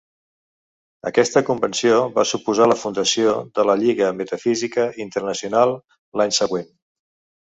Aquesta convenció va suposar la fundació de la Lliga Metafísica Internacional l'any següent.